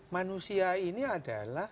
manusia ini adalah